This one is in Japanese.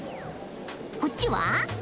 こっちは？